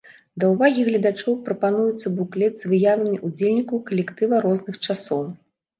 Да ўвагі гледачоў прапануецца буклет з выявамі ўдзельнікаў калектыва розных часоў.